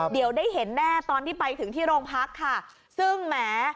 เดี๋ยวได้เห็นแน่ตอนที่ไปถึงที่โรงพักค่ะซึ่งแหม